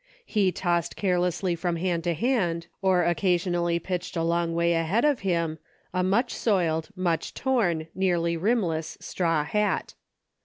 He tossed carelessly from hand to hand, or occasionally pitched a long way ahead of him, a much soiled, much torn, nearly rimless straw hat.